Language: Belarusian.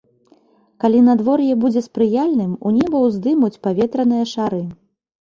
Калі надвор'е будзе спрыяльным, у неба ўздымуць паветраныя шары.